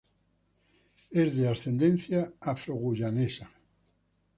Es de ascendencia afro-guyanesa.